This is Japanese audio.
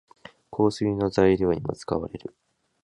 香水の材料にも使われる。